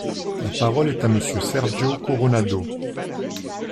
La parole est à Monsieur Sergio Coronado.